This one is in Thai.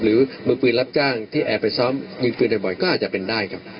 หรือมือปืนรับจ้างที่แอบไปซ้อมยิงปืนบ่อยก็อาจจะเป็นได้ครับ